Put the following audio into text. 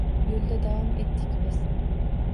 Yo‘lda davom etdik biz.